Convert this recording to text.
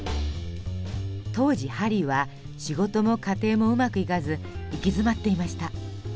当時ハリーは仕事も家庭もうまくいかず行き詰まっていました。